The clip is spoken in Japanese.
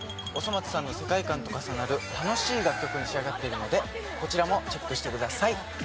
『おそ松さん』の世界観と重なる楽しい楽曲に仕上がっているのでこちらもチェックしてください。